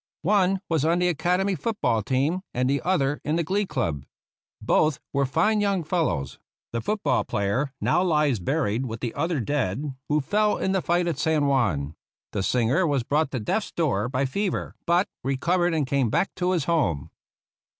One was on the Academy foot ball team and the other in the glee club. Both were fine young fellows. The foot ball player now lies buried with the other dead who fell in the fight at San Juan. The singer was brought to death's door by fever, but recovered and came back to his home.